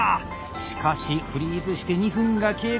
しかしフリーズして２分が経過。